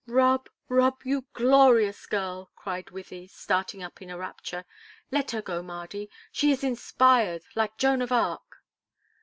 "Rob, Rob, you glorious girl!" cried Wythie, starting up in a rapture. "Let her go, Mardy; she is inspired, like Joan of Arc."